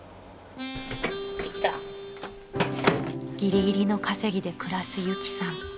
［ギリギリの稼ぎで暮らすユキさん］